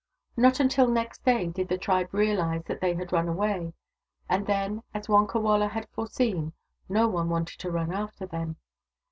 Not until next day did the tribe realize that they had run away ; and then, as Wonkawala had foreseen, no one wanted to run after them.